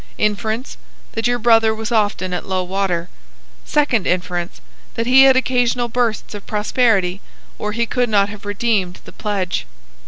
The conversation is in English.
Inference,—that your brother was often at low water. Secondary inference,—that he had occasional bursts of prosperity, or he could not have redeemed the pledge.